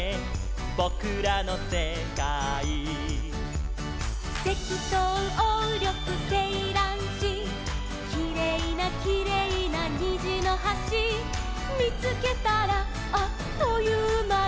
「ぼくらのせかい」「セキトウオウリョクセイランシ」「きれいなきれいなにじのはし」「みつけたらあっというまに」